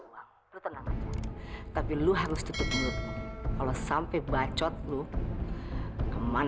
mengaltet turn language tapi lu harus tutup mulutmu kalau saya kedua woundoit